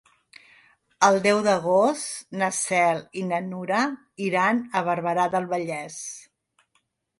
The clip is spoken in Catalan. El deu d'agost na Cel i na Nura iran a Barberà del Vallès.